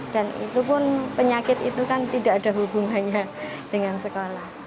dan itu pun penyakit itu kan tidak ada hubungannya dengan sekolah